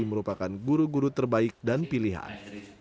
merupakan guru guru terbaik dan pilihan